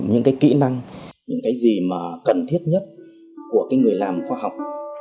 và những cái gì mà thuộc về những cái kỹ năng những cái gì mà cần thiết nhất của cái người làm khoa học